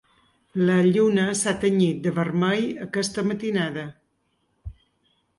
La lluna s’ha tenyit de vermell aquesta matinada.